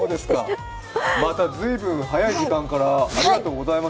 また随分早い時間からありがとうございます。